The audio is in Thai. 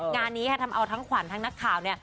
งานนี้ค่ะทำเอาทั้งขวัญทั้งนักข่าวเนี่ย